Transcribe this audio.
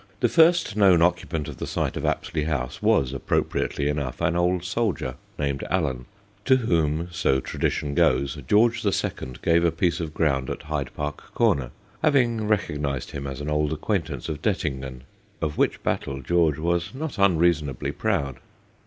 The first known occupant of the site of Apsley House was, appropriately enough, an old soldier named Allen, to whom (so tradition goes) George the Second gave a piece of ground at Hyde Park Corner, having recognised him as an old acquaintance of Dettingen, of which battle George was not unreasonably proud.